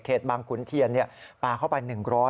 เขตบำคุณเทียนเนี่ยปาเข้าไป